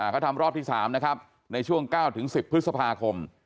เขาทำรอบที่๓นะครับในช่วง๙๑๐พฤษภาคม